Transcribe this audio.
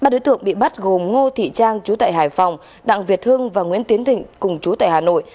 ba đối tượng bị bắt gồm ngô thị trang chú tại hải phòng đặng việt hưng và nguyễn tiến thịnh cùng chú tại hà nội